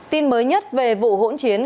tin mới nhất về vụ hỗn chiến